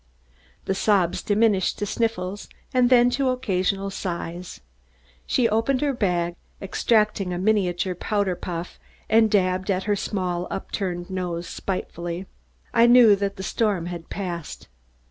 The sobs diminished to sniffles, and then to occasional sighs. She opened her bag, extracted a miniature powder puff and dabbed at her small upturned nose spitefully. I knew that the storm had passed.